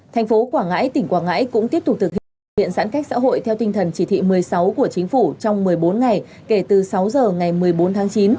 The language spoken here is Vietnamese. thành phố quảng ngãi tỉnh quảng ngãi cũng tiếp tục thực hiện thực hiện giãn cách xã hội theo tinh thần chỉ thị một mươi sáu của chính phủ trong một mươi bốn ngày kể từ sáu giờ ngày một mươi bốn tháng chín